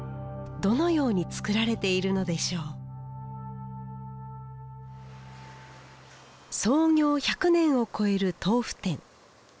どのように作られているのでしょう創業１００年を超える豆腐店。